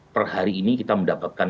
per hari ini kita mendapatkan